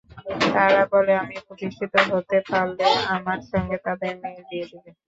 তারা বলে, আমি প্রতিষ্ঠিত হতে পারলে আমার সঙ্গে তাদের মেয়ের বিয়ে দেবে।